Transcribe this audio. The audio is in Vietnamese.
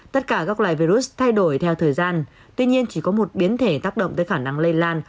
tất cả các loài virus thay đổi theo thời gian tuy nhiên chỉ có một biến thể tác động tới khả năng lây lan